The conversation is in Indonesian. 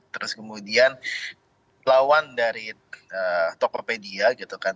terus kemudian lawan dari tokopedia gitu kan